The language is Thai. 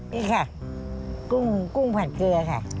แม่เล็กครับ